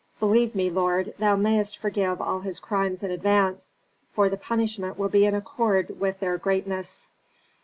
Believe me, lord, thou mayst forgive all his crimes in advance, for the punishment will be in accord with their greatness."